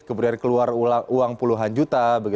kemudian keluar uang puluhan juta